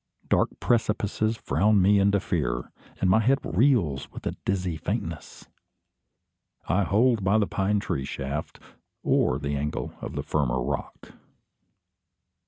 Dark precipices frown me into fear, and my head reels with a dizzy faintness. I hold by the pine tree shaft, or the angle of the firmer rock.